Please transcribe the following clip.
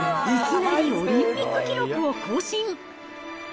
いきなりオリンピック記録を更新。